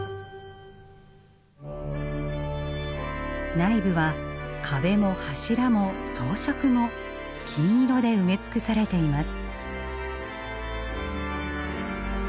内部は壁も柱も装飾も金色で埋め尽くされています。